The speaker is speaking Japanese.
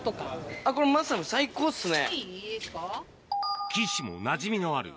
あ、これ、まさに最高っすね！